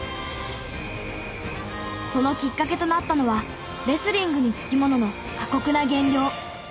そのきっかけとなったのはレスリングにつきものの過酷な減量。